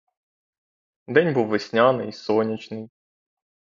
День був весняний, сонячний.